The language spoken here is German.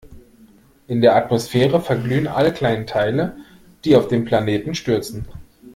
In der Atmosphäre verglühen alle kleinen Teile, die auf den Planeten stürzen.